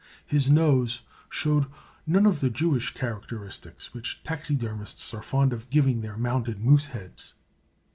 His nose showed none of the Jewish characteristics which taxidermists are fond of giving their mounted moose heads.